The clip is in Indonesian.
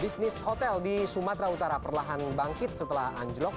bisnis hotel di sumatera utara perlahan bangkit setelah anjlok